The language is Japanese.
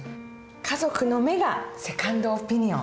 家族の目がセカンドオピニオン。